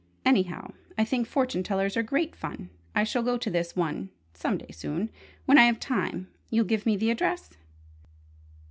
Anyhow, I think fortune tellers are great fun! I shall go to this one some day soon: when I have time. You'll give me the address?"